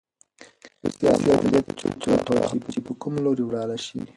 اوس یې همدې ته چرت واهه چې په کوم لور ولاړ شي.